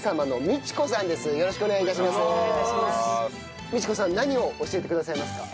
道子さん何を教えてくださいますか？